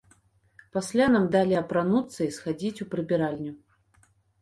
Пасля нам далі апрануцца і схадзіць у прыбіральню.